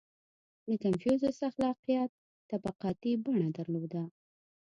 • د کنفوسیوس اخلاقیات طبقاتي بڼه درلوده.